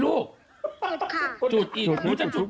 แล้วก็ขอพ้อนก็คือหยิบมาเลยค่ะพี่หมดำ